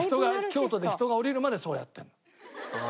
京都で人が降りるまでそうやってるの。